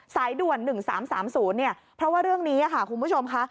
สายด่วน๑๓๓๐เนี่ยเพราะว่าเรื่องนี้ค่ะคุณผู้ชมค่ะ